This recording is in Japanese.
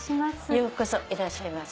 ようこそいらっしゃいませ。